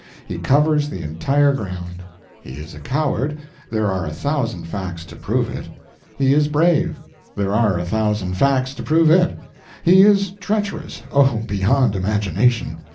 He covers the entire ground. He is a coward there are a thousand fact to prove it. He is brave there are a thousand facts to prove it. He is treacherous oh, beyond imagination!